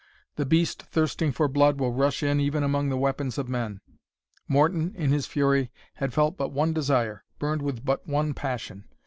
The beast thirsting for blood will rush in even among the weapons of men. Morton in his fury had felt but one desire, burned with but one passion.